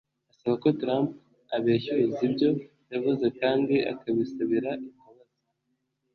asaba ko Trump abeshyuza ibyo yavuze kandi akabisabira imbabazi